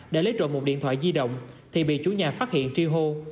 đã lấy trộn một điện thoại di động thì bị chú nhà phát hiện tri hô